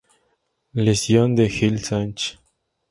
Lesión de Hill Sachs